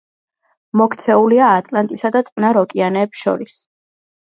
მოქცეულია ატლანტისა და წყნარ ოკეანეებს შორის.